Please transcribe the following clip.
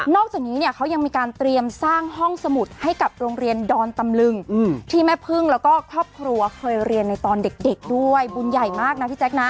จากนี้เนี่ยเขายังมีการเตรียมสร้างห้องสมุดให้กับโรงเรียนดอนตำลึงที่แม่พึ่งแล้วก็ครอบครัวเคยเรียนในตอนเด็กด้วยบุญใหญ่มากนะพี่แจ๊คนะ